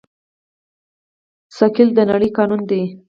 ثقل د نړۍ قانون دی.